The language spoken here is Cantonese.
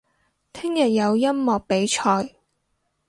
聽日有音樂比賽